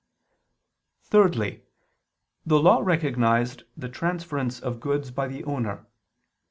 Thirdly, the law recognized the transference of goods by the owner.